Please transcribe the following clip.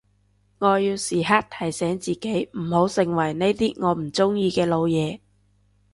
我要時刻提醒自己唔好成為呢啲我唔中意嘅老嘢